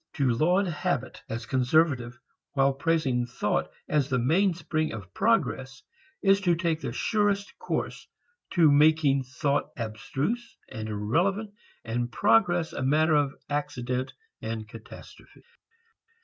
To laud habit as conservative while praising thought as the main spring of progress is to take the surest course to making thought abstruse and irrelevant and progress a matter of accident and catastrophe.